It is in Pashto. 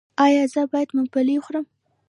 ایا زه باید ممپلی وخورم؟